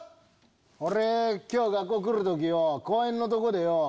俺今日学校来る時よ公園のとこでよ